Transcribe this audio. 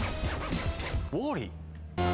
ウォーリー。